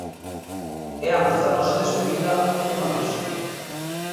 E antes da nosa despedida, un aviso.